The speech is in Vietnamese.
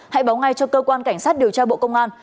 hãy báo ngay cho cơ quan cảnh sát điều tra bộ công an